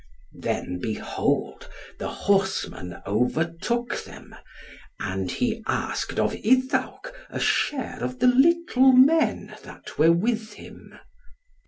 Then behold the horseman overtook them, and he asked of Iddawc a share of the little men that were with him.